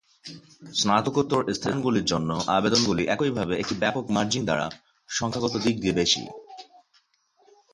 স্নাতকোত্তর স্থানগুলির জন্য আবেদনগুলি একইভাবে একটি ব্যাপক মার্জিন দ্বারা সংখ্যাগত দিক দিয়ে বেশি।